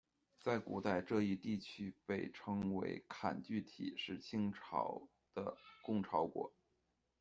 在古代，这一地区被称为坎巨提，是清朝的朝贡国。